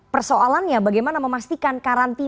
persoalannya bagaimana memastikan